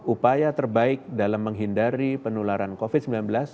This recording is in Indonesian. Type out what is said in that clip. upaya terbaik dalam menghindari penularan covid sembilan belas